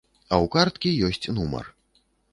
А ў карткі ёсць нумар.